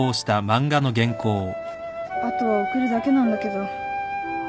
あとは送るだけなんだけど。